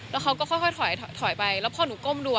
แล้วเขาก็ค่อยถอยไปแล้วพอหนูก้มดู